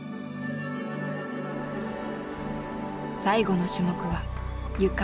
最後の種目はゆか。